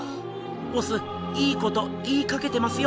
ボスいいこと言いかけてますよ。